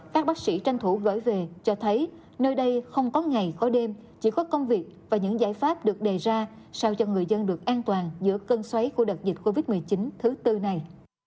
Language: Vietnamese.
các bác sĩ tranh thủ gửi về cho thấy nơi đây không có ngày có đêm chỉ có công việc và những giải pháp được đề ra sao cho người dân được an toàn giữa cơn xoáy của đợt dịch covid một mươi chín thứ tư này